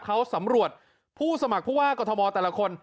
เขาสำรวจผู้สมัครผู้ว่ากรทมแต่ละคน